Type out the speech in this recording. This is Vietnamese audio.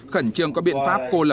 khẩn trương có biện pháp cô lập quốc gia